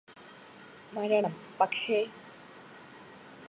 മരണം പക്ഷേ